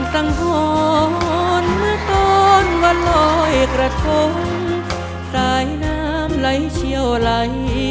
วันวันลอยกระทมสายน้ำไหลเชี่ยวไหล